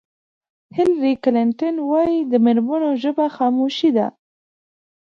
هېلري کلنټن وایي د مېرمنو ژبه خاموشي ده.